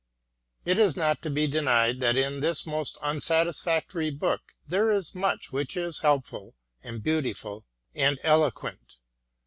It is not to be denied that in this most unsatis factory book there is much which is helpful and beautiful and eloquent.